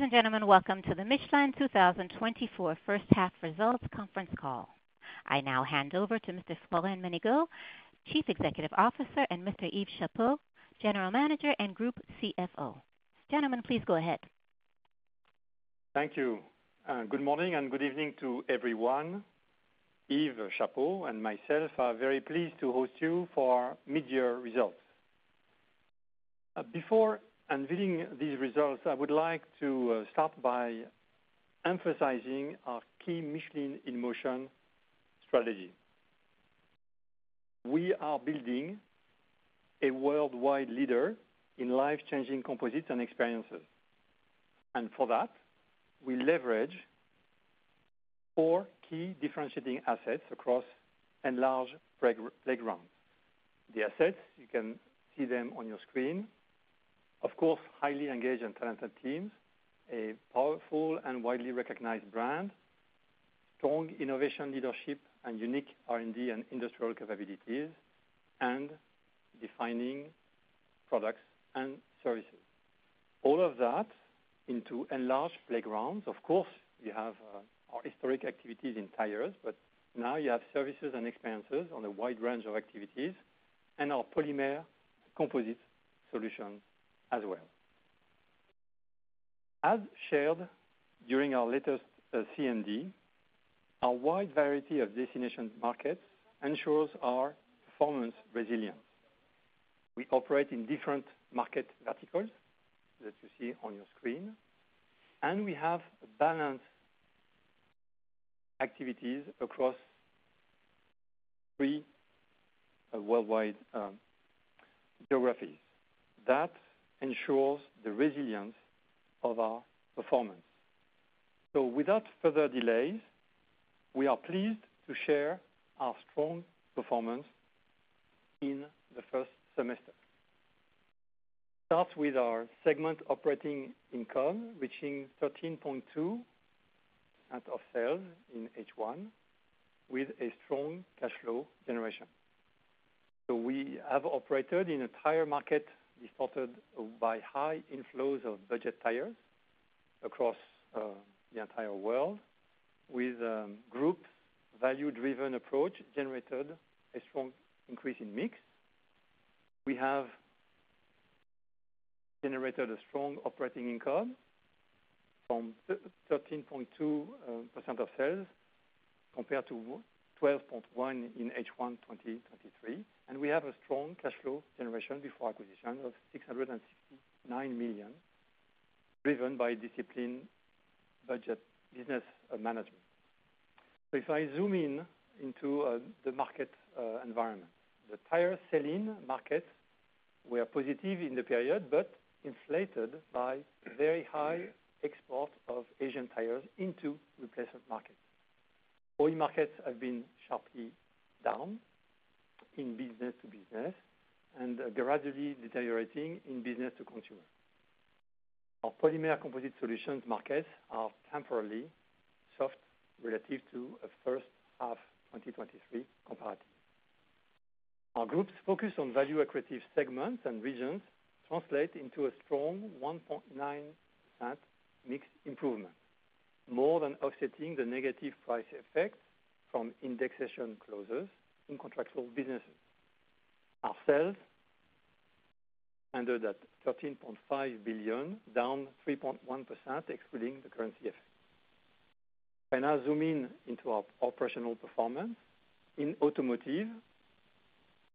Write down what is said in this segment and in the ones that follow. Ladies and gentlemen, welcome to the Michelin 2024 H1 results conference call. I now hand over to Mr. Florent Menegaux, Chief Executive Officer, and Mr. Yves Chapot, General Manager and Group CFO. Gentlemen, please go ahead. Thank you. Good morning and good evening to everyone. Yves Chapot and myself are very pleased to host you for our midyear results. Before unveiling these results, I would like to start by emphasizing our key Michelin in Motion strategy. We are building a worldwide leader in life-changing composites and experiences, and for that, we leverage four key differentiating assets across enlarged playgrounds. The assets, you can see them on your screen, of course, highly engaged and talented teams, a powerful and widely recognized brand, strong innovation leadership, and unique R&D and industrial capabilities, and defining products and services. All of that into enlarged playgrounds. Of course, we have our historic activities in tires, but now you have services and experiences on a wide range of activities and our polymer composite solution as well. As shared during our latest CMD, a wide variety of destination markets ensures our performance resilience. We operate in different market verticals that you see on your screen, and we have balanced activities across three worldwide geographies. That ensures the resilience of our performance. Without further delays, we are pleased to share our strong performance in the first semester. Start with our Segment Operating Income, reaching 13.2% of sales in H1, with a strong cash flow generation. We have operated in a tire market distorted by high inflows of budget tires across the entire world, with group value-driven approach generated a strong increase in mix. We have generated a strong operating income from 13.2% of sales compared to 12.1% in H1 2023, and we have a strong cash flow generation before acquisition of 669 million, driven by disciplined budget business management. If I zoom in into the market environment, the tire selling markets were positive in the period but inflated by very high exports of Asian tires into replacement markets. Oil markets have been sharply down in business to business and gradually deteriorating in business to consumer. Our polymer composite solutions markets are temporarily soft relative to a H1 2023 comparative. Our groups focused on value accretive segments and regions translate into a strong 1.9% mix improvement, more than offsetting the negative price effects from indexation clauses in contractual businesses. Our sales ended at 13.5 billion, down 3.1%, excluding the currency effect. I now zoom in into our operational performance. In automotive,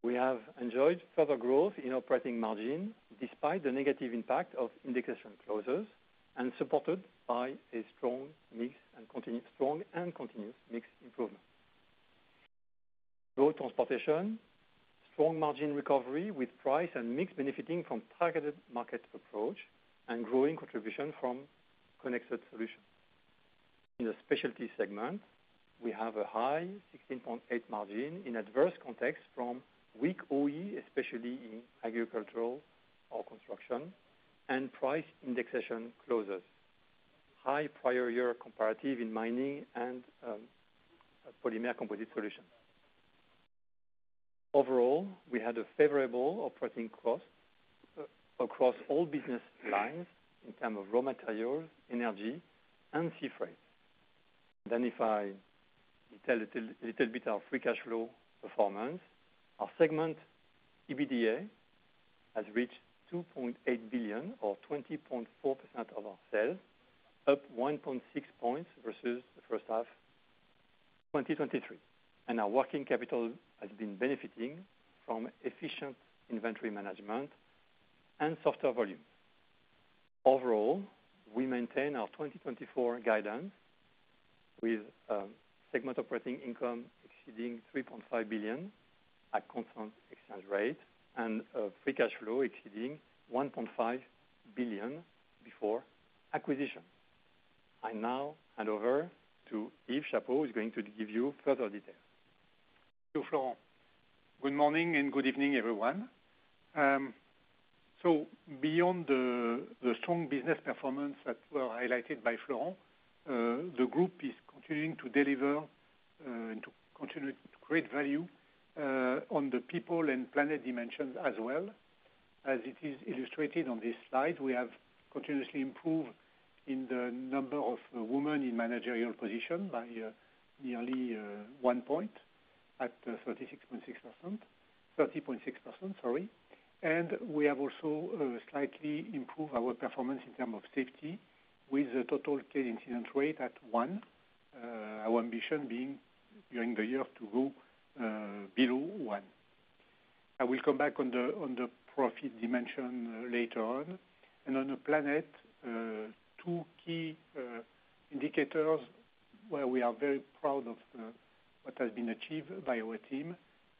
we have enjoyed further growth in operating margin despite the negative impact of indexation clauses and supported by a strong mix and continued strong and continuous mix improvement. Road transportation, strong margin recovery with price and mix benefiting from targeted market approach and growing contribution from connected solutions. In the specialty segment, we have a high 16.8% margin in adverse context from weak OE, especially in agricultural or construction, and price indexation clauses, high prior year comparative in mining and polymer composite solution. Overall, we had a favorable operating cost across all business lines in terms of raw materials, energy, and sea freight. Then if I tell a little, little bit our free cash flow performance, our segment EBITDA has reached 2.8 billion or 20.4% of our sales, up 1.6 points versus the H1 2023, and our working capital has been benefiting from efficient inventory management and softer volume. Overall, we maintain our 2024 guidance with segment operating income exceeding 3.5 billion at constant exchange rate and free cash flow exceeding 1.5 billion before acquisition. I now hand over to Yves Chapot, who is going to give you further details. Thank you, Florent. Good morning, and good evening, everyone. So beyond the strong business performance that were highlighted by Florent, the group is continuing to deliver and to continue to create value on the people and planet dimensions as well. As it is illustrated on this slide, we have continuously improved in the number of women in managerial position by nearly one point at 36.6%, 30.6%, sorry. And we have also slightly improved our performance in terms of safety with the total key incident rate at 1. Our ambition being during the year to go below 1. I will come back on the profit dimension later on. And on the planet, two key indicators where we are very proud of what has been achieved by our team.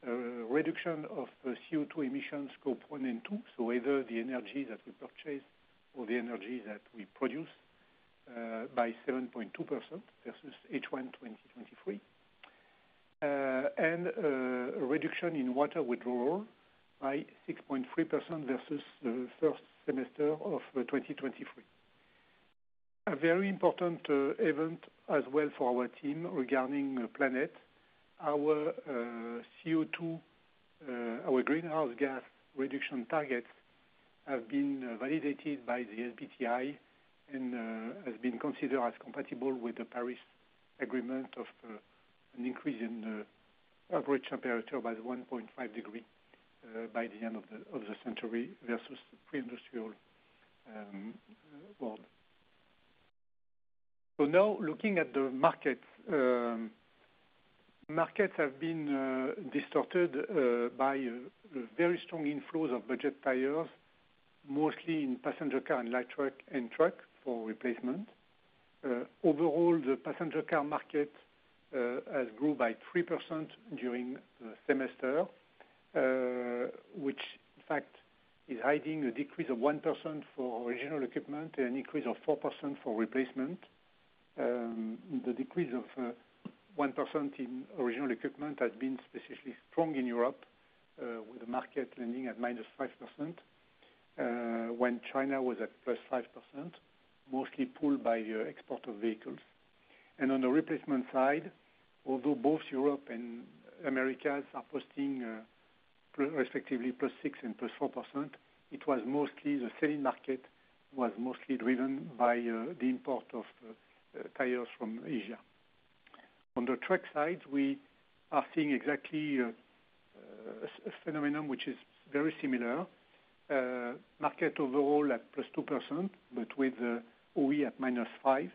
Reduction of CO₂ emissions, Scope 1 and 2, so either the energy that we purchase or the energy that we produce, by 7.2% versus H1 2023. And, a reduction in water withdrawal by 6.3% versus the first semester of 2023. A very important event as well for our team regarding the planet, our CO₂, our greenhouse gas reduction targets have been validated by the SBTi and, has been considered as compatible with the Paris Agreement of, an increase in the average temperature by 1.5 degree, by the end of the century versus pre-industrial world. So now, looking at the market, markets have been distorted by very strong inflows of budget tires, mostly in passenger car and light truck and truck for replacement. Overall, the passenger car market has grown by 3% during the semester, which in fact is hiding a decrease of 1% for original equipment (OE) and an increase of 4% for replacement. The decrease of 1% in original equipment (OE) has been specifically strong in Europe, with the market landing at -5%, when China was at +5%, mostly pulled by the export of vehicles. And on the replacement side, although both Europe and Americas are posting, respectively, +6% and +4%, it was mostly driven by the import of tires from Asia. On the truck side, we are seeing exactly a phenomenon which is very similar. Market overall at +2%, but with OE at -5%,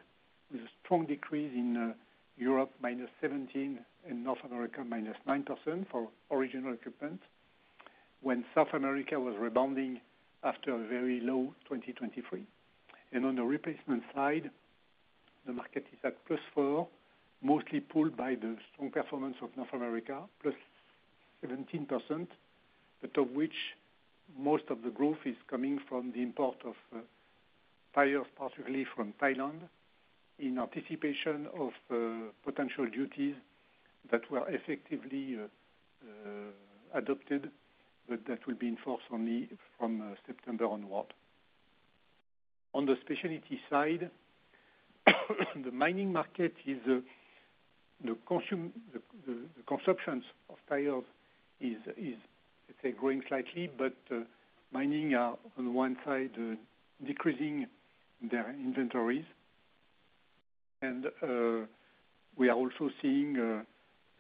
with a strong decrease in Europe, -17%, and North America, -9% for original equipment (OE), when South America was rebounding after a very low 2023. On the replacement side, the market is at +4%, mostly pulled by the strong performance of North America, +17%, but of which most of the growth is coming from the import of tires, particularly from Thailand, in anticipation of potential duties that were effectively adopted, but that will be enforced only from September onward. On the specialty side, the mining market is, the consumptions of tires is, let's say, growing slightly, but mining are, on one side, decreasing their inventories. We are also seeing,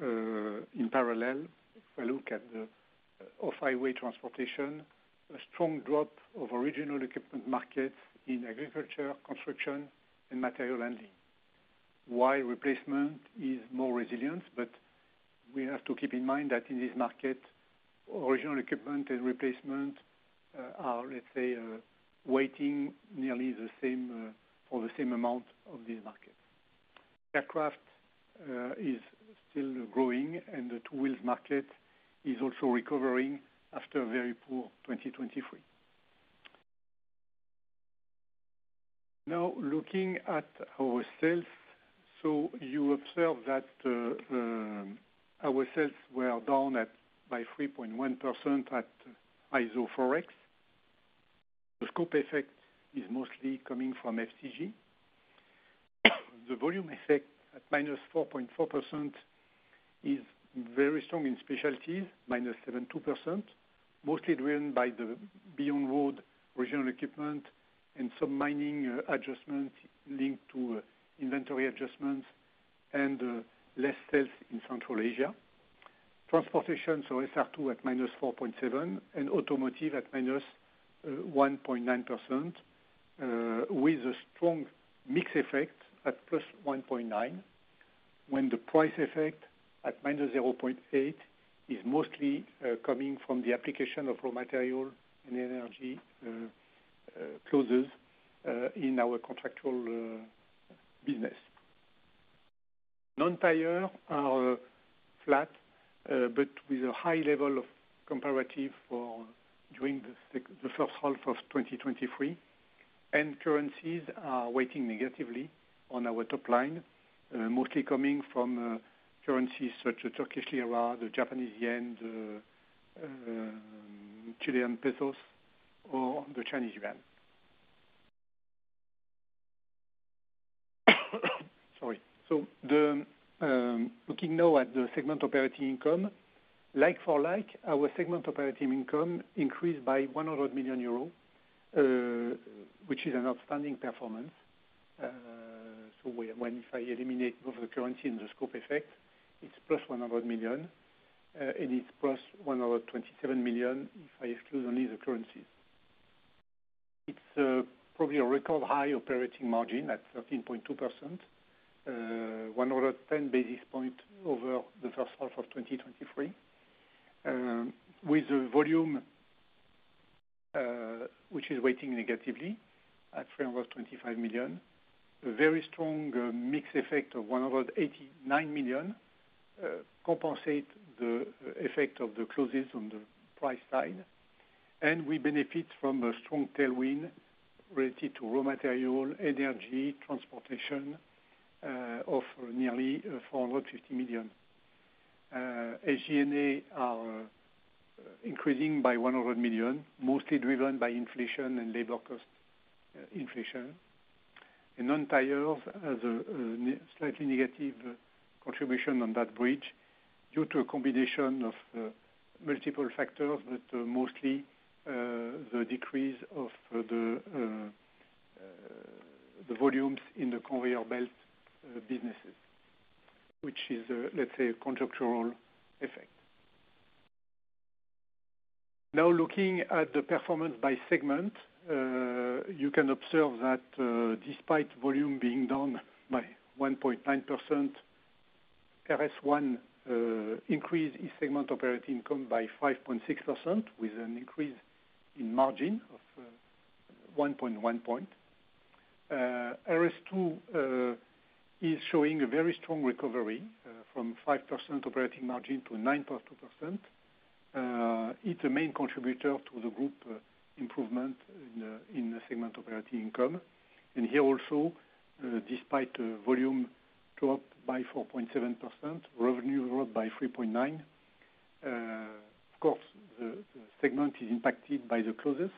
in parallel, if I look at the off-highway transportation, a strong drop of original equipment (OE) markets in agriculture, construction, and material handling. While replacement is more resilient, but we have to keep in mind that in this market, original equipment (OE) and replacement are, let's say, weighing nearly the same for the same amount of this market. Aircraft is still growing, and the two wheels market is also recovering after a very poor 2023. Now, looking at our sales, so you observe that our sales were down by 3.1% at constant forex. The scope effect is mostly coming from FCG. The volume effect at -4.4% is very strong in specialties, -7.2%, mostly driven by the beyond road original equipment (OE) and some mining adjustments linked to inventory adjustments and less sales in Central Asia. Transportation, so SR2, at -4.7%, and automotive at -1.9%, with a strong mix effect at +1.9%, when the price effect at -0.8% is mostly coming from the application of raw material and energy clauses in our contractual business. Non-tire are flat, but with a high level of comparative for during the H1 of 2023. And currencies are weighing negatively on our top line, mostly coming from currencies such as Turkish lira, the Japanese yen, the Chilean pesos, or the Chinese yuan. Sorry. So, looking now at the segment operating income, like for like, our segment operating income increased by 100 million euros, which is an outstanding performance. So, if I eliminate both the currency and the scope effect, it's +100 million, and it's +127 million, if I exclude only the currency. It's probably a record high operating margin at 13.2%, 110 basis points over the H1 of 2023. With the volume, which is weighing negatively at 325 million, a very strong mix effect of 189 million compensate the effect of the clauses on the price side. We benefit from a strong tailwind related to raw material, energy, transportation, of nearly 450 million. SG&A are increasing by 100 million, mostly driven by inflation and labor cost inflation. Non-tire has a slightly negative contribution on that bridge due to a combination of multiple factors, but mostly the decrease of the volumes in the conveyor belt businesses, which is, let's say, a contractual effect. Now, looking at the performance by segment, you can observe that, despite volume being down by 1.9%, SR1 increased its segment operating income by 5.6%, with an increase in margin of 1.1 points. SR2 is showing a very strong recovery from 5% operating margin to 9.2%. It's a main contributor to the group improvement in the segment operating income. And here also, despite the volume dropped by 4.7%, revenue grew up by 3.9%. Of course, the segment is impacted by the clauses,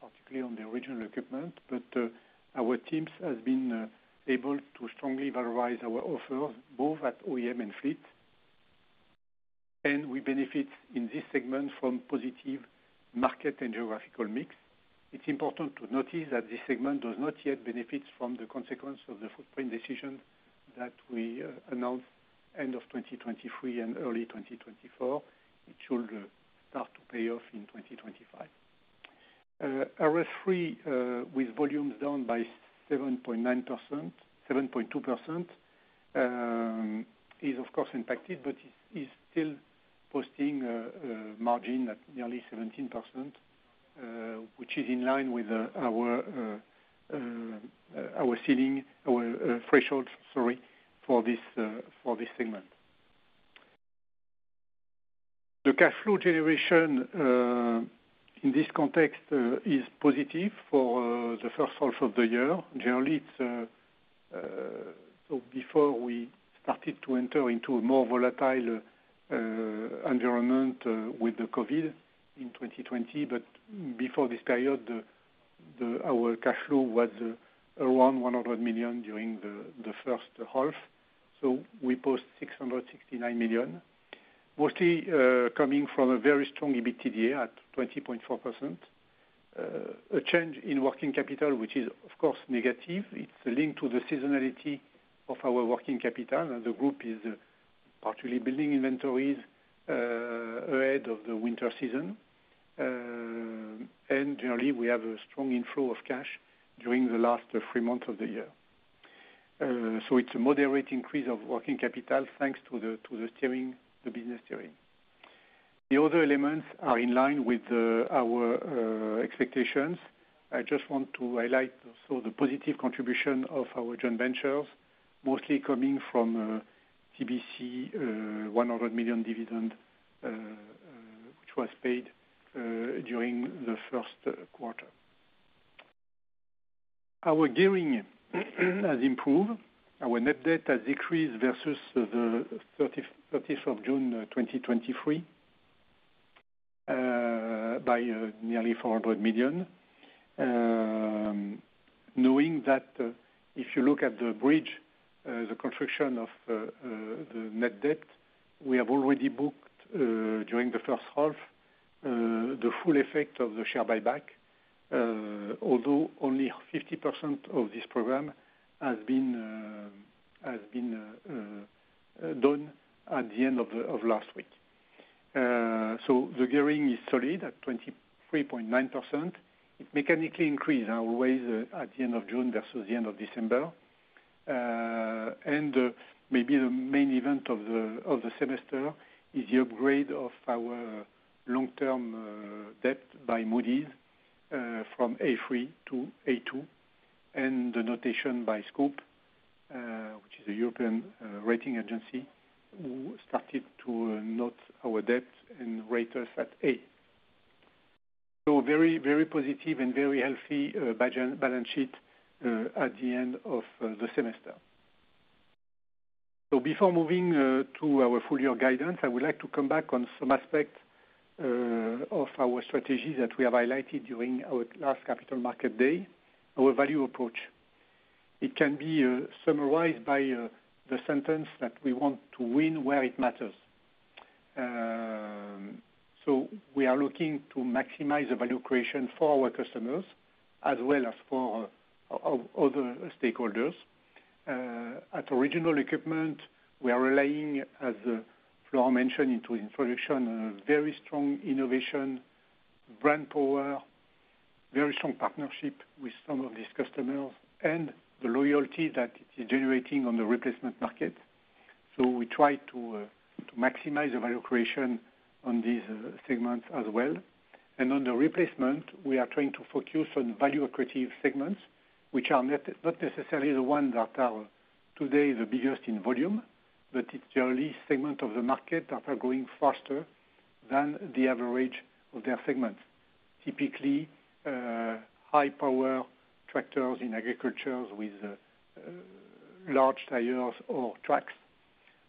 particularly on the original equipment (OE). But our teams has been able to strongly valorize our offer, both at OEM and fleet. And we benefit in this segment from positive market and geographical mix. It's important to notice that this segment does not yet benefit from the consequence of the footprint decision that we announced end of 2023 and early 2024. It should start to pay off in 2025. SR3, with volumes down by 7.9%, 7.2%, is of course impacted, but is still posting a margin at nearly 17%, which is in line with our ceiling, our threshold, sorry, for this segment. The cash flow generation in this context is positive for the H1 of the year. Generally, it's so before we started to enter into a more volatile environment with the COVID in 2020, but before this period, our cash flow was around 100 million during the H1. So we post 669 million, mostly coming from a very strong EBITDA at 20.4%. A change in working capital, which is, of course, negative. It's linked to the seasonality of our working capital, and the group is partially building inventories ahead of the winter season. And generally, we have a strong inflow of cash during the last three months of the year. So it's a moderate increase of working capital, thanks to the steering, the business steering. The other elements are in line with our expectations. I just want to highlight also the positive contribution of our joint ventures, mostly coming from TBC, 100 million dividend, which was paid during the Q1. Our gearing has improved. Our net debt has decreased versus the 30th of June 2023 by nearly 400 million. Knowing that, if you look at the bridge, the construction of the net debt, we have already booked during the H1 the full effect of the share buyback, although only 50% of this program has been done at the end of last week. So the gearing is solid at 23.9%. It mechanically increased our ways at the end of June versus the end of December. Maybe the main event of the semester is the upgrade of our long-term debt by Moody's from A3 to A2, and the notation by Scope, which is a European rating agency, who started to note our debt and rate us at A. So very, very positive and very healthy balance sheet at the end of the semester. So before moving to our full year guidance, I would like to come back on some aspect of our strategy that we have highlighted during our last Capital Markets Day, our value approach. It can be summarized by the sentence that we want to win where it matters. So we are looking to maximize the value creation for our customers, as well as for other stakeholders. At original equipment (OE), we are relying, as Florent mentioned in the introduction, a very strong innovation, brand power, very strong partnership with some of these customers, and the loyalty that is generating on the replacement market. So we try to maximize the value creation on these segments as well. On the replacement, we are trying to focus on value accretive segments, which are not necessarily the ones that are today the biggest in volume, but it's the only segment of the market that are growing faster than the average of their segment. Typically, high power tractors in agriculture with large tires or tracks,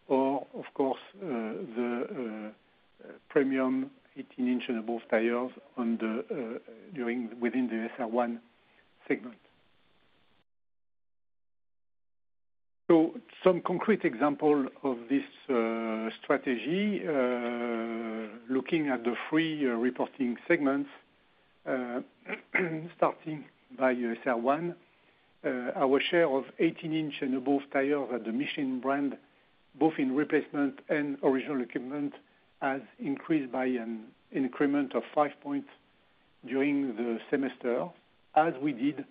or of course, the premium 18-inch and above tires in the SR1 segment. So some concrete example of this strategy, looking at the three reporting segments, starting by SR1. Our share of 18-inch and above tires at the Michelin brand, both in replacement and original equipment (OE), has increased by an increment of 5 points during the semester, as we did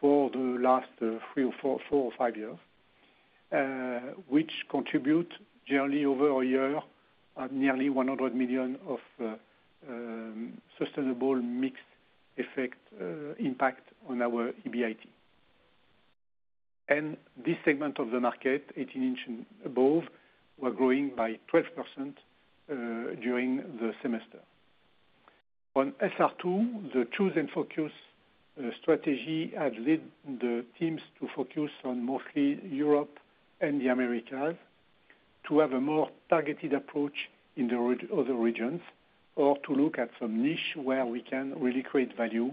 for the last 3 or 4, 4 or 5 years. Which contribute generally over a year of nearly 100 million of sustainable mix effect impact on our EBIT. And this segment of the market, 18-inch and above, were growing by 12%, during the semester. On SR2, the Choose and Focus strategy had led the teams to focus on mostly Europe and the Americas, to have a more targeted approach in the other regions, or to look at some niche where we can really create value.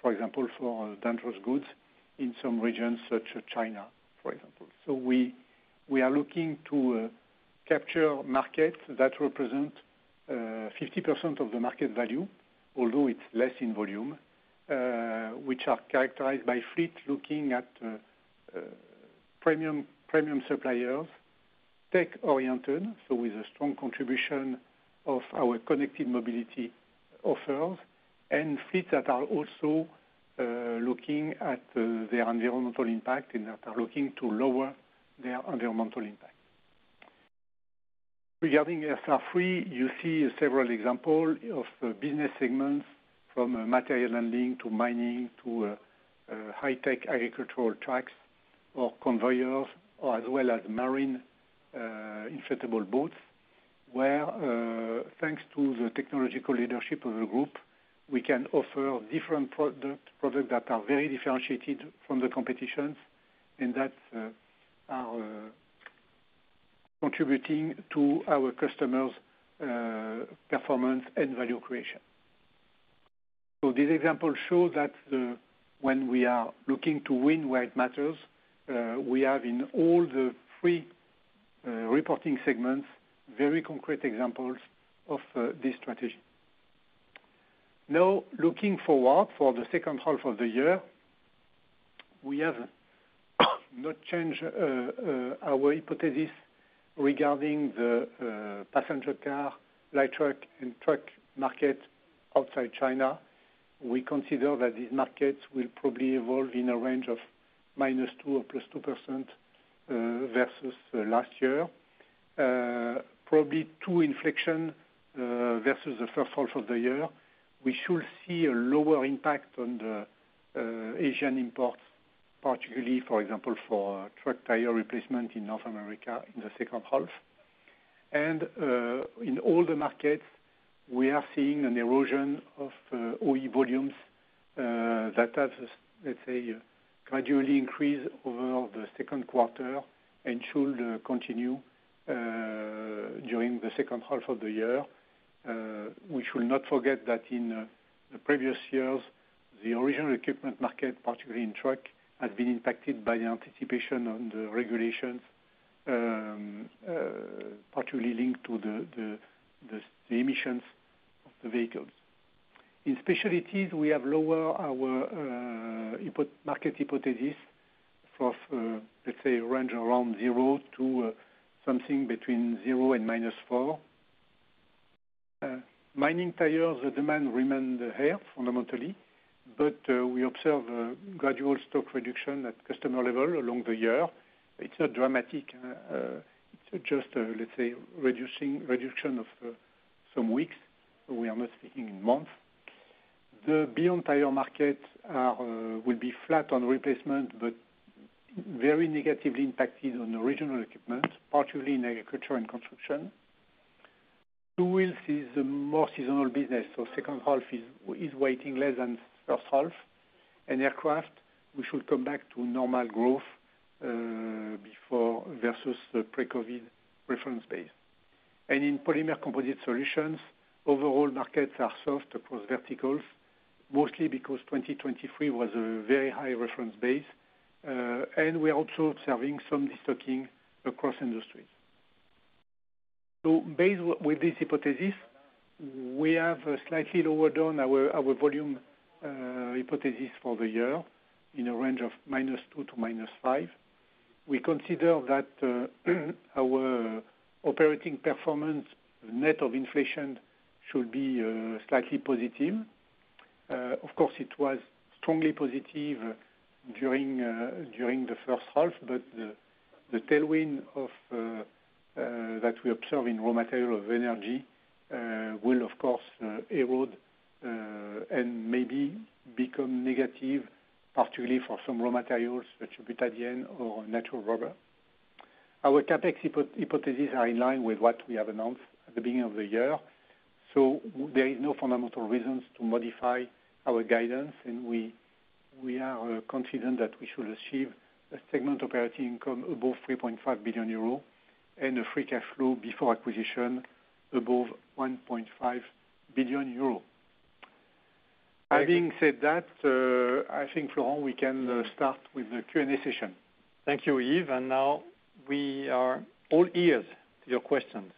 For example, for dangerous goods in some regions such as China, for example. So we are looking to capture markets that represent 50% of the market value, although it's less in volume, which are characterized by fleet looking at premium suppliers, tech oriented, so with a strong contribution of our Connected Mobility offers, and fleets that are also looking at their environmental impact, and that are looking to lower their environmental impact. Regarding SR3, you see several example of business segments from material handling, to mining, to high tech agricultural tracks or conveyors, or as well as marine inflatable boats, where thanks to the technological leadership of the group, we can offer different products that are very differentiated from the competitions, and that are contributing to our customers' performance and value creation. So this example shows that the, when we are looking to win where it matters, we have in all three reporting segments very concrete examples of this strategy. Now, looking forward for the H2 of the year, we have not changed our hypothesis regarding the passenger car, light truck, and truck market outside China. We consider that these markets will probably evolve in a range of -2% or +2% versus last year. Probably two inflection versus the H1 of the year, we should see a lower impact on the Asian imports, particularly, for example, for truck tire replacement in North America in the H2. In all the markets, we are seeing an erosion of OE volumes that has, let's say, gradually increased over the Q2 and should continue during the H2 of the year. We should not forget that in the previous years, the original equipment (OE) market, particularly in truck, has been impacted by the anticipation on the regulations, particularly linked to the emissions of the vehicles. In specialties, we have lowered our input market hypothesis for, let's say, range around 0 to something between 0 and -4. Mining tires, the demand remain there fundamentally, but we observe a gradual stock reduction at customer level along the year. It's not dramatic, it's just, let's say, reduction of some weeks, we are not speaking in months. The beyond tire markets will be flat on replacement, but very negatively impacted on the original equipment (OE), particularly in agriculture and construction. Two wheels is a more seasonal business, so H2 is weighing less than H1. In aircraft, we should come back to normal growth before versus the pre-COVID reference base. And in polymer composite solutions, overall markets are soft across verticals, mostly because 2023 was a very high reference base. And we are also observing some destocking across industries. So based with this hypothesis, we have slightly lowered down our volume hypothesis for the year, in a range of -2 to -5. We consider that our operating performance, net of inflation, should be slightly positive. Of course, it was strongly positive during the H1, but the tailwind that we observe in raw material of energy will of course erode and maybe become negative, particularly for some raw materials, such as butadiene or natural rubber. Our CapEx hypothesis are in line with what we have announced at the beginning of the year. So there is no fundamental reasons to modify our guidance, and we are confident that we should achieve a segment operating income above 3.5 billion euro, and a free cash flow before acquisition above 1.5 billion euro. Having said that, I think, Florent, we can start with the Q&A session. Thank you, Yves. Now we are all ears to your questions.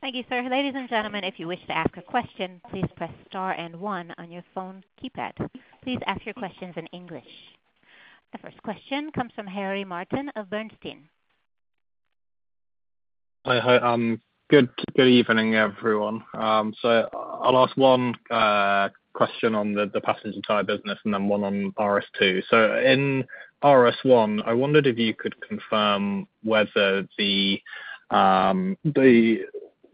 Thank you, sir. Ladies and gentlemen, if you wish to ask a question, please press star and one on your phone keypad. Please ask your questions in English. The first question comes from Harry Martin of Bernstein. Hi, good evening, everyone. So I'll ask one question on the passenger tire business and then one on RS2. So in RS1, I wondered if you could confirm whether the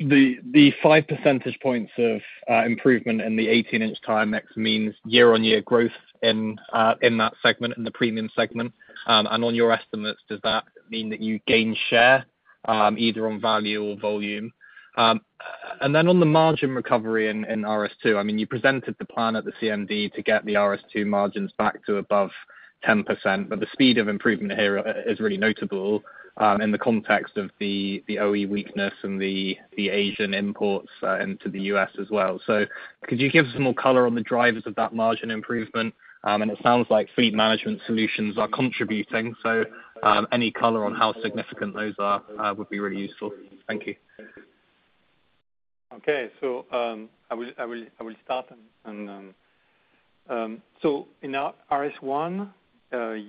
5 percentage points of improvement in the 18-inch tire mix means year-on-year growth in that segment, in the premium segment. And on your estimates, does that mean that you gain share either on value or volume? And then on the margin recovery in RS2, I mean, you presented the plan at the CMD to get the RS2 margins back to above 10%, but the speed of improvement here is really notable in the context of the OE weakness and the Asian imports into the US as well. Could you give us some more color on the drivers of that margin improvement? It sounds like fleet management solutions are contributing, so any color on how significant those are would be really useful. Thank you. Okay. So, I will start. So in our SR1,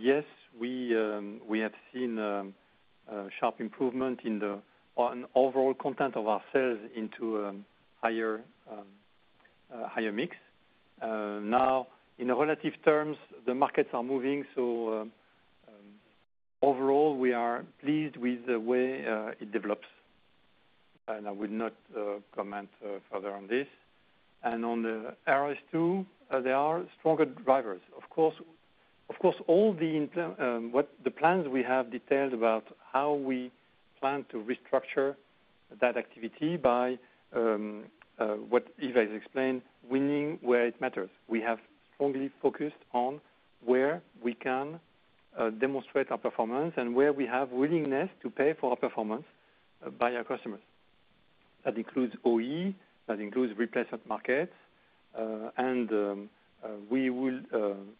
yes, we have seen a sharp improvement in the overall content of our sales into higher mix. Now, in relative terms, the markets are moving, so overall, we are pleased with the way it develops. I would not comment further on this. On the SR2, there are stronger drivers. Of course, all the plans we have detailed about how we plan to restructure that activity by what Yves has explained, winning where it matters. We have strongly focused on where we can demonstrate our performance and where we have willingness to pay for our performance by our customers. That includes OE, that includes replacement markets, and we will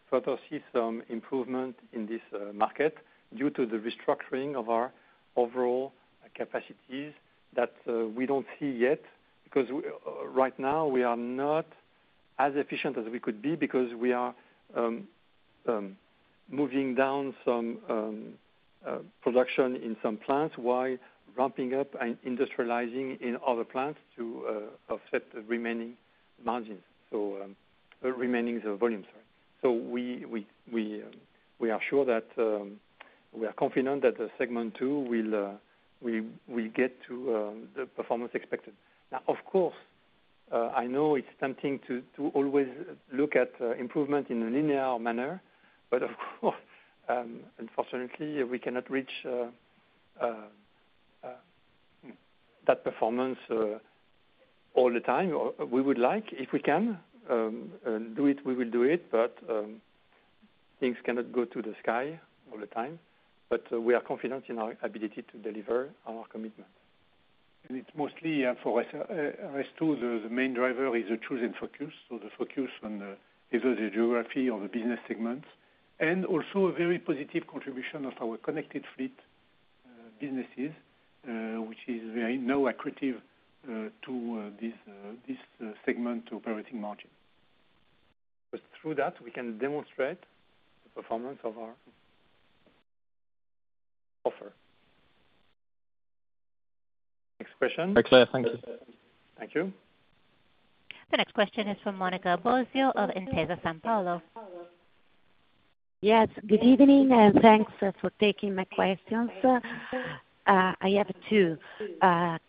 further see some improvement in this market due to the restructuring of our overall capacities that we don't see yet. Because right now we are not as efficient as we could be because we are moving down some production in some plants, while ramping up and industrializing in other plants to offset the remaining margins. So, the remaining is the volumes. So we are sure that we are confident that the segment two will get to the performance expected. Now, of course, I know it's tempting to always look at improvement in a linear manner, but of course, unfortunately, we cannot reach that performance all the time. Or we would like, if we can, do it, we will do it, but things cannot go to the sky all the time. But we are confident in our ability to deliver on our commitment. And it's mostly for SR2, the main driver is a chosen focus, so the focus on either the geography or the business segments. And also a very positive contribution of our connected fleet businesses, which is very now accretive to this segment operating margin. But through that, we can demonstrate the performance of our offer. Next question. Very clear. Thank you. Thank you. The next question is from Monica Bosio of Intesa Sanpaolo. Yes, good evening, and thanks for taking my questions. I have two.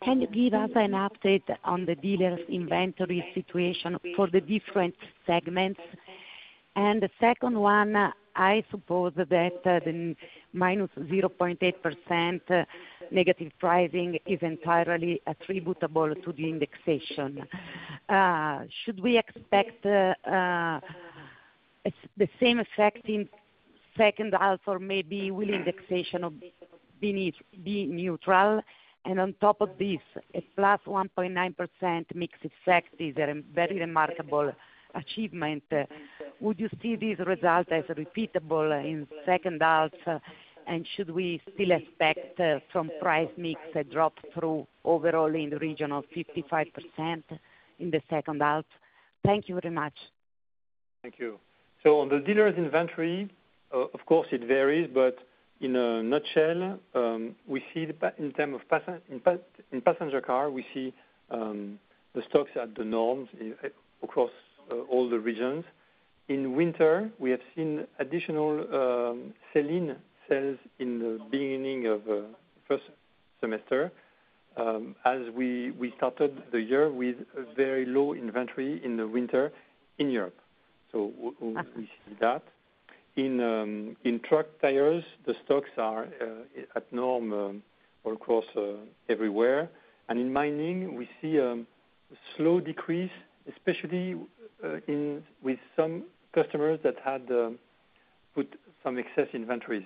Can you give us an update on the dealers' inventory situation for the different segments? And the second one, I suppose that the -0.8% negative pricing is entirely attributable to the indexation. Should we expect the same effect in H2, or maybe will indexation be neutral? And on top of this, a +1.9% mixed effect is a very remarkable achievement. Would you see these results as repeatable in H2? And should we still expect some price mix that drop through overall in the region of 55% in the H2? Thank you very much. Thank you. So on the dealers inventory, of course it varies, but in a nutshell, we see in terms of passenger car, we see the stocks at the norms across all the regions. In winter, we have seen additional sales in the beginning of first semester, as we started the year with a very low inventory in the winter in Europe. So we- Okay. See that. In truck tires, the stocks are at norm all across everywhere. And in mining, we see slow decrease, especially in with some customers that had put some excess inventories.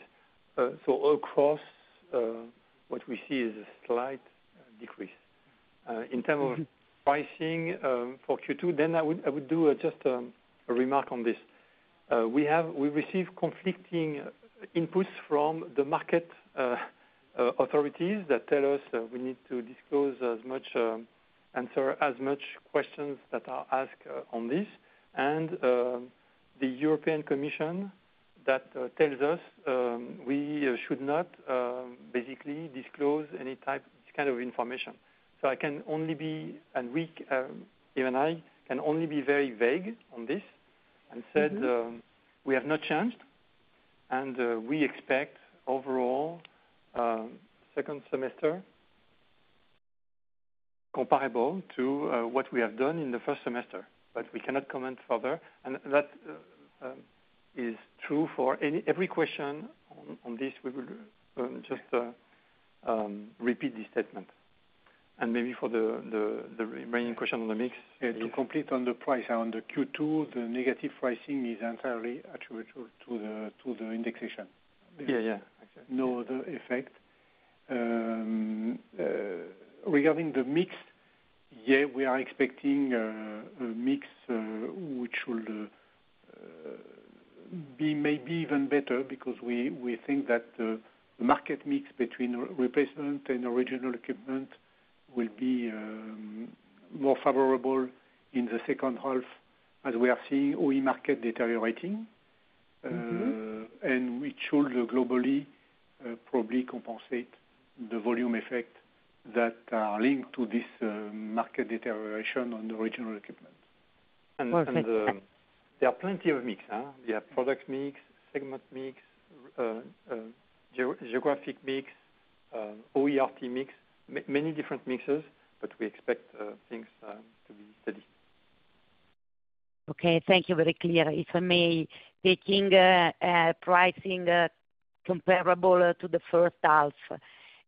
So across what we see is a slight decrease. In terms of- Mm-hmm. Pricing for Q2, then I would do just a remark on this. We receive conflicting inputs from the market authorities that tell us that we need to disclose as much, answer as much questions that are asked on this. And the European Commission that tells us we should not basically disclose any type, this kind of information. So I can only be, and we, even I, can only be very vague on this. Mm-hmm. And said, we have not changed, and we expect overall, second semester comparable to what we have done in the first semester, but we cannot comment further. And that is true for any every question on this, we will just repeat this statement. And maybe for the remaining question on the mix- To complete on the price, on the Q2, the negative pricing is entirely attributable to the indexation. Yeah, yeah. No other effect. Regarding the mix, yeah, we are expecting a mix which will be maybe even better, because we, we think that the market mix between replacement and original equipment (OE) will be more favorable in the H2, as we are seeing OE market deteriorating. Mm-hmm. We should globally probably compensate the volume effect that are linked to this market deterioration on the original equipment (OE). Well, thank- There are plenty of mix, huh? We have product mix, segment mix, geographic mix, OE/RT mix, many different mixes, but we expect things to be steady. Okay, thank you, very clear. If I may, taking pricing comparable to the H1,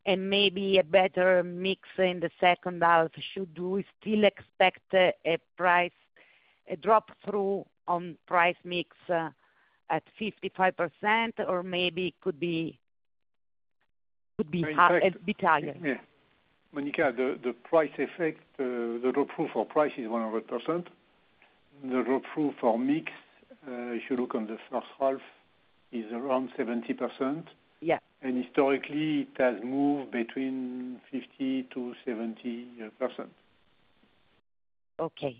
and maybe a better mix in the H2, should we still expect a price drop through on price mix at 55%, or maybe it could be, could be half, be higher? Yeah. Monica, the price effect, the drop-through for price is 100%. The drop-through for mix, if you look on the H1, is around 70%. Yeah. Historically, it has moved between 50%-70%. Okay.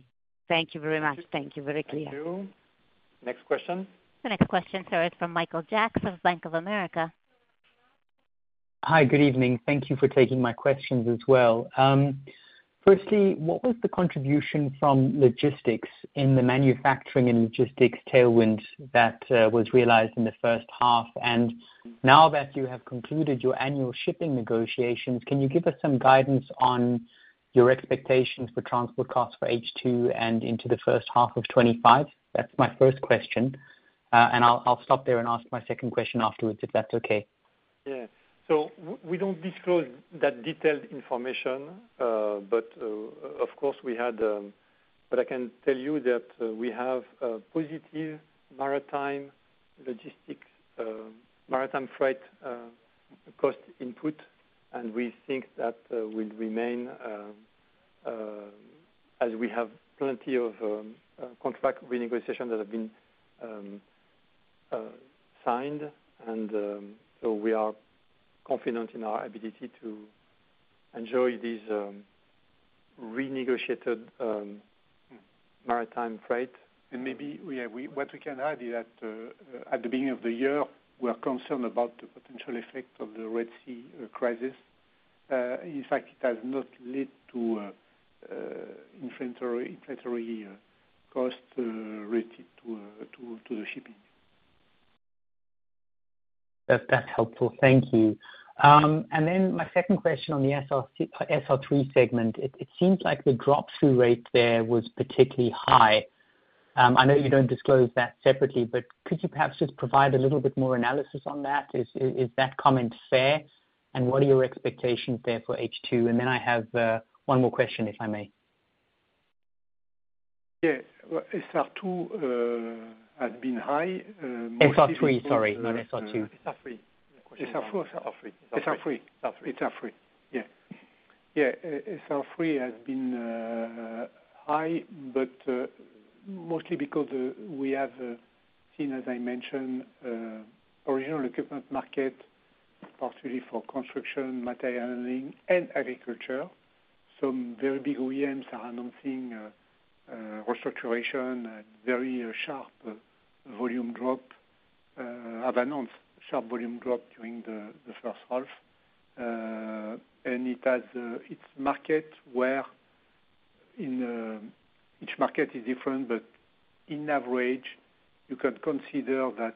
Thank you very much. Thank you. Thank you, very clear. Thank you. Next question? The next question is from Michael Jacks, Bank of America. Hi, good evening. Thank you for taking my questions as well. Firstly, what was the contribution from logistics in the manufacturing and logistics tailwind that was realized in the H1? And now that you have concluded your annual shipping negotiations, can you give us some guidance on your expectations for transport costs for H2 and into the H1 of 25? That's my first question. And I'll, I'll stop there and ask my second question afterwards, if that's okay. Yeah. So we don't disclose that detailed information, but, of course, we had. But I can tell you that, we have a positive maritime logistics, maritime freight, cost input, and we think that, will remain, as we have plenty of, contract renegotiation that have been, signed. And, so we are confident in our ability to enjoy this, renegotiated, maritime freight. And maybe what we can add is that at the beginning of the year, we are concerned about the potential effect of the Red Sea crisis. In fact, it has not led to inflationary costs related to the shipping. That, that's helpful, thank you. And then my second question on the SR, SR3 segment, it seems like the drop-through rate there was particularly high. I know you don't disclose that separately, but could you perhaps just provide a little bit more analysis on that? Is that comment fair, and what are your expectations there for H2? And then I have one more question, if I may. Yes. Well, SR2 has been high, SR3, sorry, not SR2. SR3. SR4 or SR3? SR3. SR3. SR3, yeah. Yeah, SR3 has been high, but mostly because we have seen, as I mentioned, original equipment (OE) market, particularly for construction, material handling, and agriculture. Some very big OEMs are announcing restructuring and very sharp volume drop, have announced sharp volume drop during the H1. And it has its market where in each market is different, but on average, you can consider that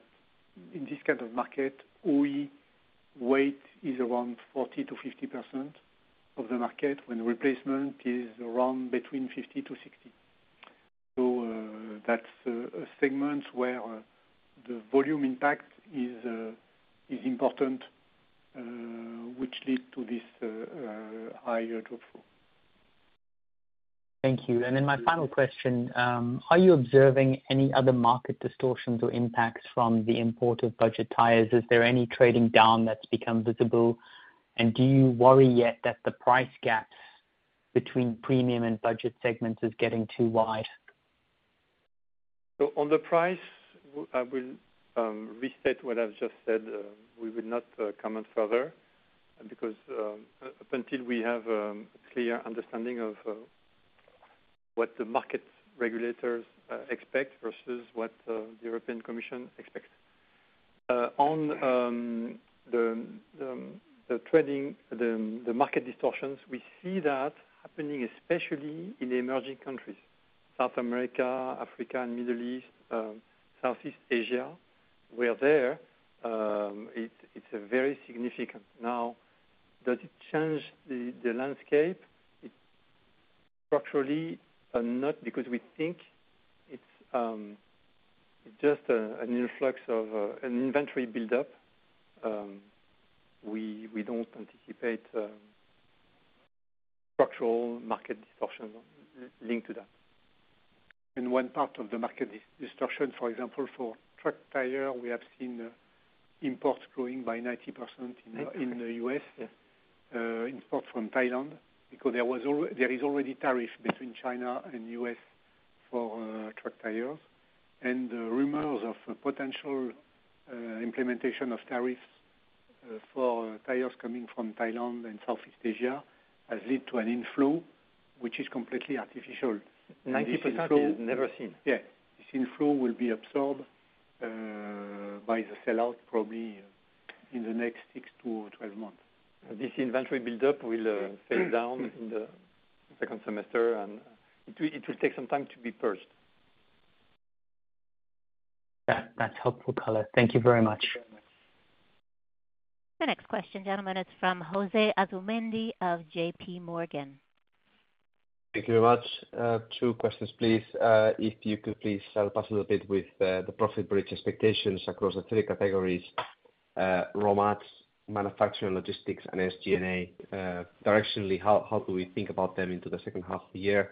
in this kind of market, OE weight is around 40%-50% of the market, when replacement is around between 50%-60%. So, that's a segment where the volume impact is important, which lead to this higher drop-off. Thank you. And then my final question, are you observing any other market distortions or impacts from the import of budget tires? Is there any trading down that's become visible? And do you worry yet that the price gaps between premium and budget segments is getting too wide? So on the price, I will restate what I've just said. We will not comment further because up until we have a clear understanding of what the market regulators expect versus what the European Commission expects. On the trading, the market distortions, we see that happening, especially in emerging countries, South America, Africa, and Middle East, Southeast Asia, where there it's a very significant. Now, does it change the landscape? It structurally not because we think it's just an influx of an inventory buildup. We don't anticipate structural market distortions linked to that. And one part of the market distortion, for example, for truck tire, we have seen imports growing by 90% in the US Yes. Imports from Thailand, because there is already tariffs between China and US for truck tires. And rumors of potential implementation of tariffs for tires coming from Thailand and Southeast Asia has led to an inflow, which is completely artificial. 90% is never seen? Yeah. This inflow will be absorbed by the sell-out probably in the next 6-12 months. This inventory buildup will fade down in the second semester, and it will, it will take some time to be purged. Yeah, that's helpful color. Thank you very much. The next question, gentlemen, is from Jose Asumendi of JPMorgan. Thank you very much. Two questions, please. If you could please help us a little bit with the profit bridge expectations across the three categories, raw mats, manufacturing, logistics, and SG&A. Directionally, how do we think about them into the H2 of the year?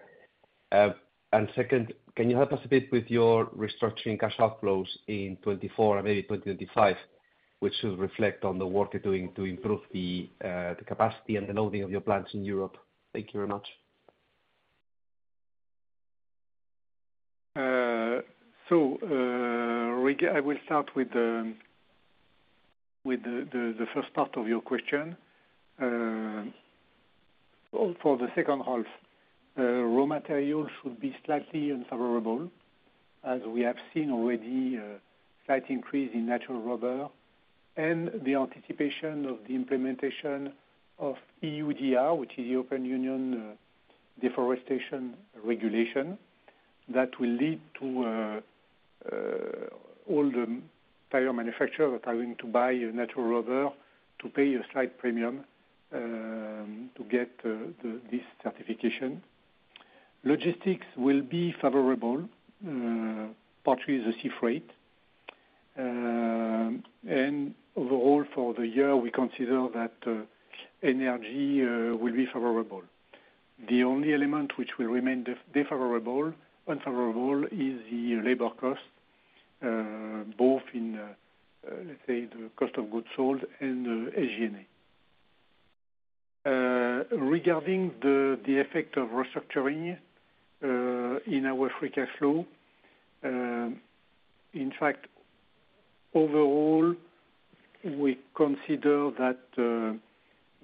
And second, can you help us a bit with your restructuring cash outflows in 2024 and maybe 2025, which should reflect on the work you're doing to improve the capacity and the loading of your plants in Europe? Thank you very much. I will start with the first part of your question. All for the H2, raw materials should be slightly unfavorable, as we have seen already, slight increase in natural rubber and the anticipation of the implementation of EUDR, which is the European Union Deforestation Regulation, that will lead to all the tire manufacturer are going to buy a natural rubber to pay a slight premium to get this certification. Logistics will be favorable, partly the sea freight. And overall for the year, we consider that energy will be favorable. The only element which will remain unfavorable is the labor cost, both in, let's say, the cost of goods sold and SG&A. Regarding the effect of restructuring in our free cash flow, in fact, overall, we consider that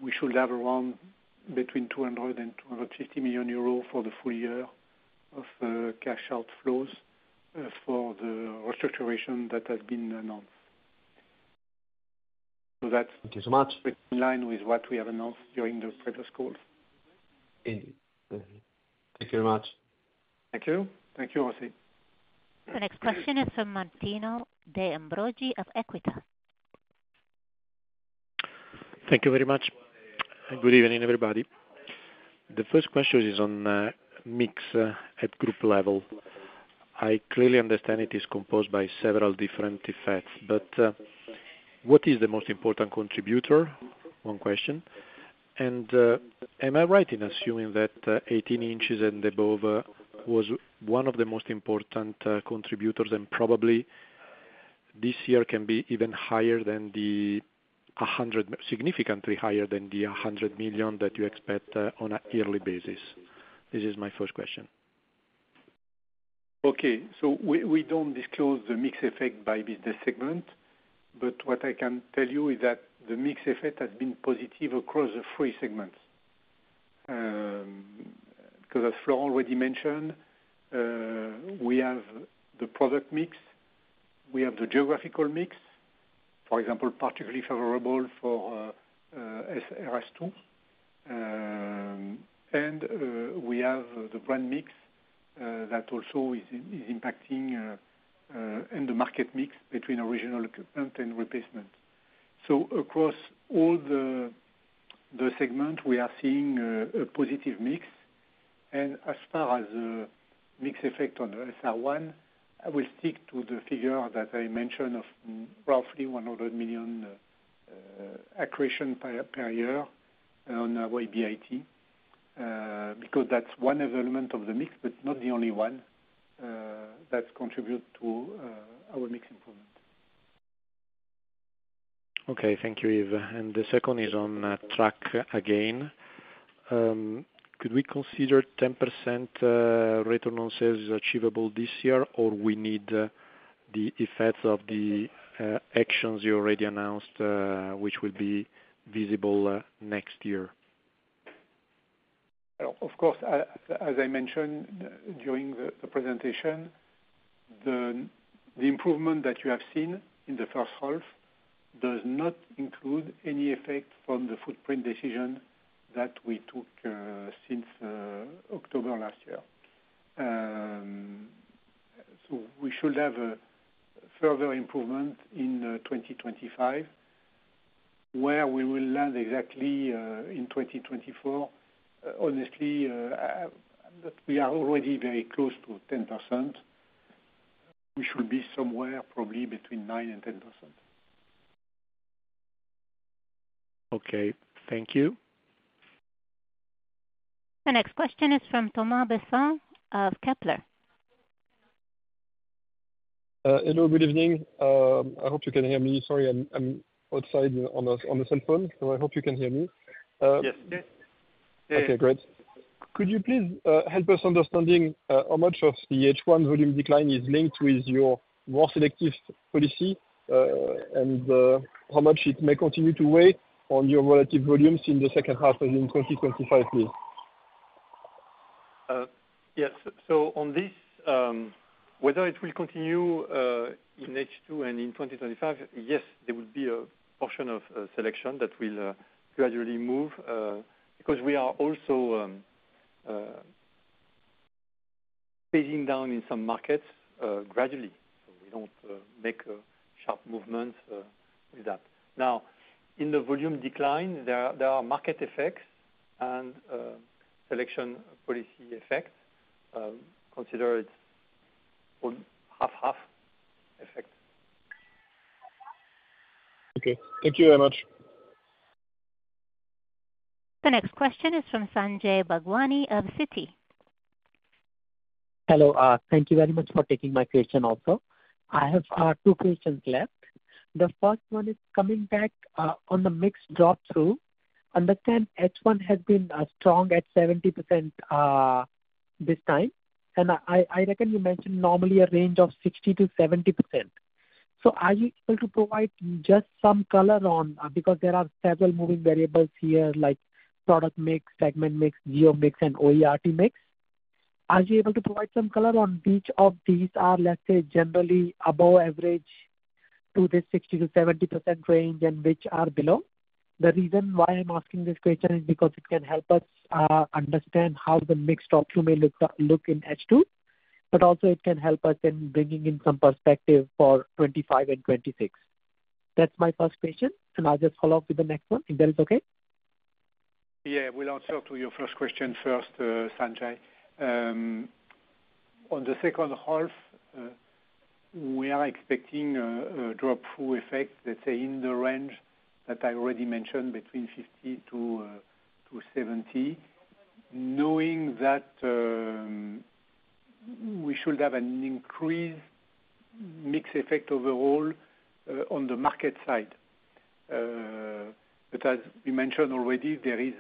we should have around between 200 million euros and 250 million euros for the full year of cash outflows for the restructuring that has been announced. So that- Thank you so much. In line with what we have announced during the previous call.... Indeed. Mm-hmm. Thank you very much. Thank you. Thank you, Jose. The next question is from Martino De Ambroggi of Equita SIM. Thank you very much, and good evening, everybody. The first question is on mix at group level. I clearly understand it is composed by several different effects, but what is the most important contributor? One question, and am I right in assuming that 18 inches and above was one of the most important contributors, and probably this year can be even higher than the a hundred- significantly higher than the a hundred million that you expect on a yearly basis? This is my first question. Okay, so we, we don't disclose the mix effect by business segment, but what I can tell you is that the mix effect has been positive across the three segments. 'Cause as Florent already mentioned, we have the product mix, we have the geographical mix, for example, particularly favorable for SR2. And we have the brand mix that also is impacting, and the market mix between original equipment (OE) and Replacement. So across all the segment, we are seeing a positive mix. And as far as the mix effect on SR1, I will stick to the figure that I mentioned of roughly 100 million accretion per year on our EBIT, because that's one element of the mix, but not the only one that contribute to our mix improvement. Okay. Thank you, Yves. And the second is on truck again. Could we consider 10% return on sales is achievable this year, or we need the effects of the actions you already announced, which will be visible next year? Of course, as I mentioned during the presentation, the improvement that you have seen in the H1 does not include any effect from the footprint decision that we took since October last year. So we should have a further improvement in 2025, where we will land exactly in 2024. Honestly, we are already very close to 10%. We should be somewhere probably between 9% and 10%. Okay, thank you. The next question is from Thomas Besson of Kepler. Hello, good evening. I hope you can hear me. Sorry, I'm outside on the cell phone, so I hope you can hear me. Yes. Okay, great. Could you please help us understanding how much of the H1 volume decline is linked with your more selective policy, and how much it may continue to weigh on your relative volumes in the H2 and in 2025 please? Yes. So on this, whether it will continue in H2 and in 2025, yes, there will be a portion of selection that will gradually move, because we are also pacing down in some markets gradually, so we don't make sharp movements with that. Now, in the volume decline, there are market effects and selection policy effects, considered on half, half effect. Okay, thank you very much. The next question is from Sanjay Bhagwani of Citi. Hello, thank you very much for taking my question also. I have two questions left. The first one is coming back on the mix drop-through. Understand H1 has been strong at 70% this time, and I reckon you mentioned normally a range of 60%-70%. So are you able to provide just some color on, because there are several moving variables here, like product mix, segment mix, geo mix, and OE/RT mix. Are you able to provide some color on each of these are, let's say, generally above average to the 60%-70% range and which are below? The reason why I'm asking this question is because it can help us understand how the mix outcome may look in H2, but also it can help us in bringing in some perspective for 2025 and 2026. That's my first question, and I'll just follow up with the next one, if that's okay? Yeah. We'll answer to your first question first, Sanjay. On the H2, we are expecting a drop-through effect, let's say, in the range that I already mentioned, between 50%-70%, knowing that we should have an increased mix effect overall, on the market side. But as we mentioned already, there is,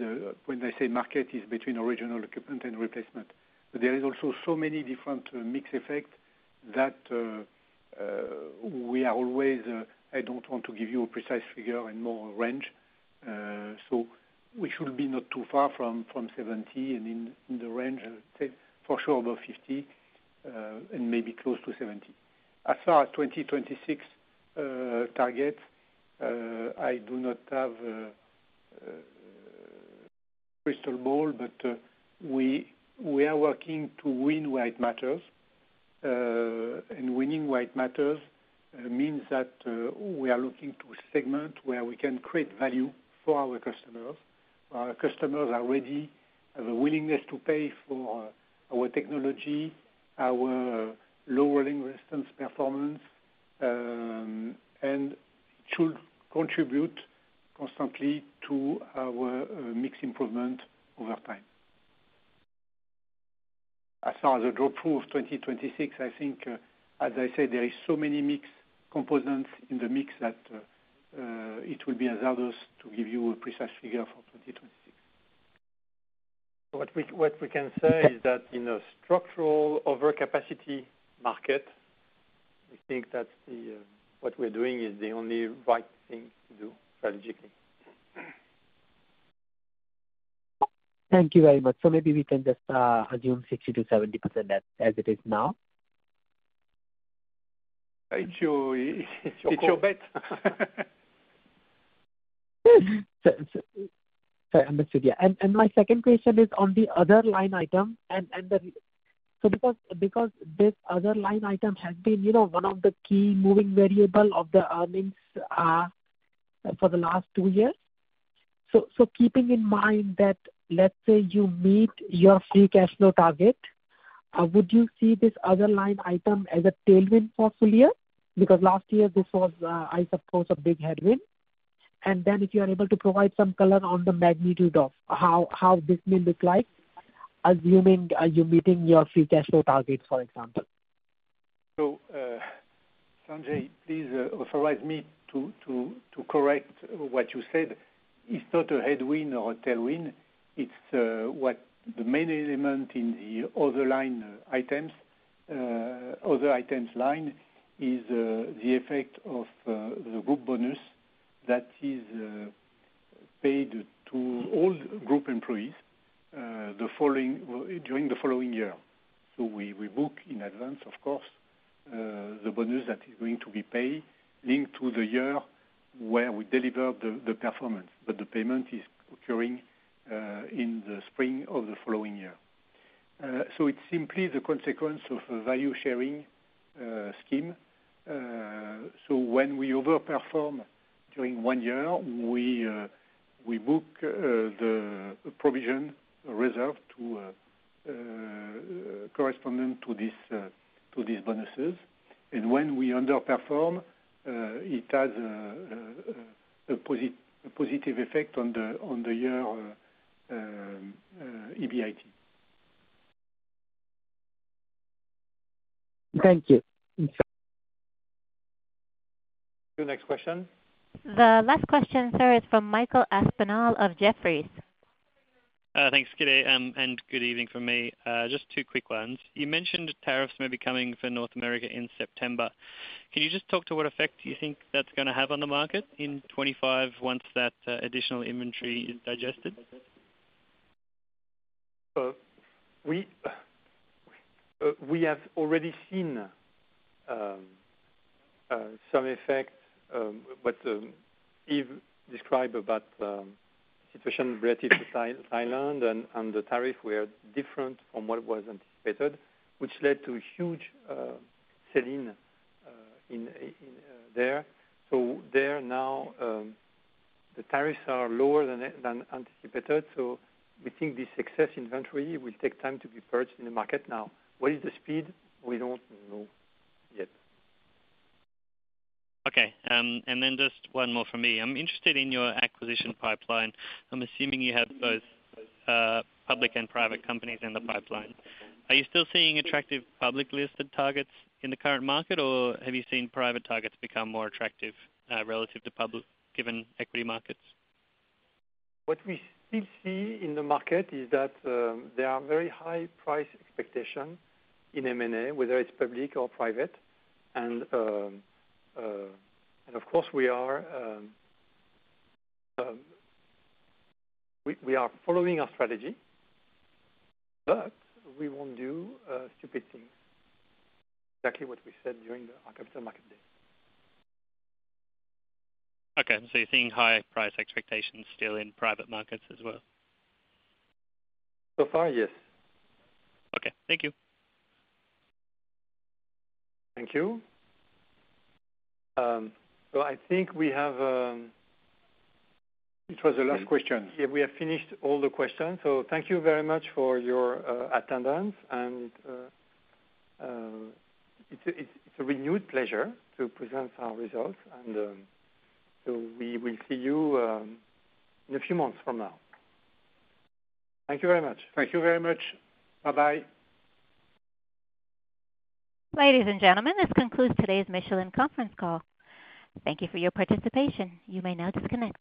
when I say market, is between original equipment (OE) and replacement. But there is also so many different mix effects that we are always, I don't want to give you a precise figure and more range. So we should be not too far from 70% and in the range, let's say, for sure, above 50%, and maybe close to 70%. As far as 2026 target-... I do not have crystal ball, but we are working to win where it matters. Winning where it matters means that we are looking to segment where we can create value for our customers. Our customers are ready, have a willingness to pay for our technology, our lowering resistance performance, and should contribute constantly to our mix improvement over time. As far as the drop-through 2026, I think, as I said, there is so many mix components in the mix that it will be hazardous to give you a precise figure for 2026. What we can say is that in a structural overcapacity market, we think that what we're doing is the only right thing to do strategically. Thank you very much. So maybe we can just assume 60%-70% as it is now? It's your, it's your bet. So, sorry, understood. Yeah. And my second question is on the other line item. And the- so because this other line item has been, you know, one of the key moving variable of the earnings for the last two years. So, keeping in mind that, let's say you meet your free cash flow target, would you see this other line item as a tailwind for full year? Because last year this was, I suppose, a big headwind. And then if you are able to provide some color on the magnitude of how this may look like, assuming you're meeting your free cash flow targets, for example. So, Sanjay, please authorize me to correct what you said. It's not a headwind or a tailwind, it's what the main element in the other line items, other items line, is, the effect of the group bonus that is paid to all group employees during the following year. So we book in advance, of course, the bonus that is going to be paid, linked to the year where we deliver the performance. But the payment is occurring in the spring of the following year. So it's simply the consequence of a value sharing scheme. So when we overperform during one year, we book the provision reserve corresponding to this, to these bonuses. When we underperform, it has a positive effect on the year, EBIT. Thank you. The next question. The last question, sir, is from Michael Aspinall of Jefferies. Thanks. Good day, and good evening from me. Just two quick ones. You mentioned tariffs may be coming for North America in September. Can you just talk to what effect you think that's gonna have on the market in 2025, once that, additional inventory is digested? We have already seen some effect, but Yves described about situation related to Thailand, and the tariffs were different from what was anticipated, which led to huge selling in there. So there now, the tariffs are lower than anticipated, so we think this excess inventory will take time to be purchased in the market now. What is the speed? We don't know yet. Okay, and then just one more from me. I'm interested in your acquisition pipeline. I'm assuming you have both, public and private companies in the pipeline. Are you still seeing attractive public-listed targets in the current market, or have you seen private targets become more attractive, relative to public, given equity markets? What we still see in the market is that there are very high price expectations in M&A, whether it's public or private. And of course we are following our strategy, but we won't do stupid things. Exactly what we said during our Capital Markets Day. Okay. You're seeing high price expectations still in private markets as well? So far, yes. Okay. Thank you. Thank you. So I think we have, It was the last question. Yeah, we have finished all the questions. So thank you very much for your attendance and, it's a renewed pleasure to present our results. And, so we will see you in a few months from now. Thank you very much. Thank you very much. Bye-bye. Ladies and gentlemen, this concludes today's Michelin conference call. Thank you for your participation. You may now disconnect.